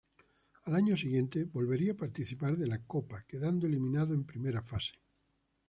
Al año siguiente volvería a participar de la copa, quedando eliminado en primera fase.